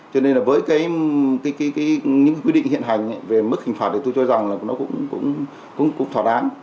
cho nên là với những quy định hiện hành về mức hình phạt thì tôi cho rằng là nó cũng thỏa đáng